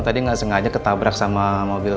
tidak apa apa mas